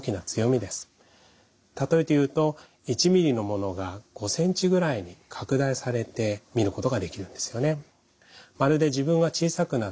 例えて言うと１ｍｍのものが５ｃｍぐらいに拡大されて見ることができるんですよね。